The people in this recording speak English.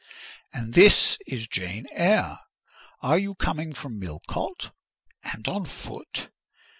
"And this is Jane Eyre? Are you coming from Millcote, and on foot?